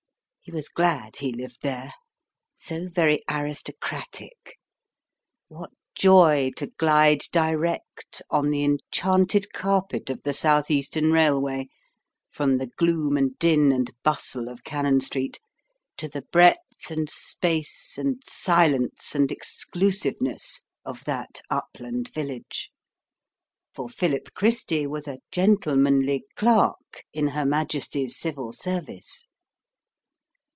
He was glad he lived there so very aristocratic! What joy to glide direct, on the enchanted carpet of the South Eastern Railway, from the gloom and din and bustle of Cannon Street, to the breadth and space and silence and exclusiveness of that upland village! For Philip Christy was a gentlemanly clerk in Her Majesty's Civil Service.